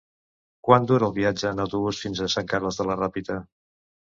Quant dura el viatge en autobús fins a Sant Carles de la Ràpita?